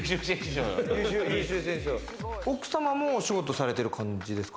奥様もお仕事されてる感じですか？